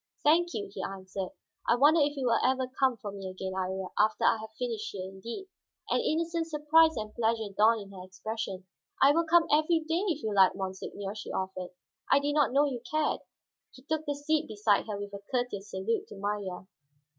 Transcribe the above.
"Thank you," he answered. "I wonder if you will ever come for me again, Iría, after I have finished here indeed." An innocent surprise and pleasure dawned in her expression. "I will come every day, if you like, monseigneur," she offered. "I did not know you cared." He took the seat beside her, with a courteous salute to Marya.